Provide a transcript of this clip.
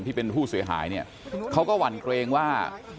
ที่เป็นผู้เสียหายเนี่ยเขาก็หวั่นเกรงว่า